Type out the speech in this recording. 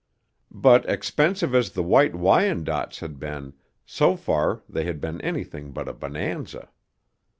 But expensive as the White Wyandottes had been, so far they had been anything but a bonanza.